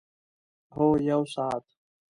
هو، یوه ساعت